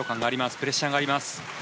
プレッシャーがあります。